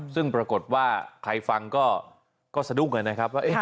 ซึ่งปรากฏว่าใครฟังก็สะดุ้งกันนะครับว่า